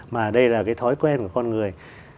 mà đây là cái thói quen của con người